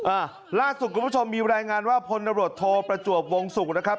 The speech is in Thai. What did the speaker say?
อ่าล่าสุดคุณผู้ชมมีรายงานว่าพลตำรวจโทประจวบวงศุกร์นะครับ